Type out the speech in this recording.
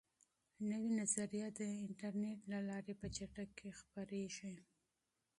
نوي نظریات د انټرنیټ له لارې په چټکۍ خپریږي.